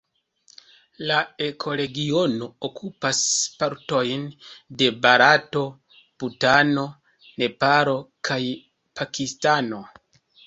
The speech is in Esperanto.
La ekoregiono okupas partojn de Barato, Butano, Nepalo kaj Pakistano.